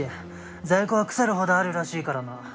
在庫は腐るほどあるらしいからな。